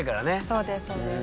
そうですそうです。